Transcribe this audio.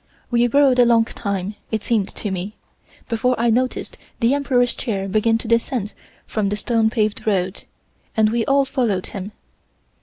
We rode a long time, it seemed to me, before I noticed the Emperor's chair begin to descend from the stone paved road, and we all followed him.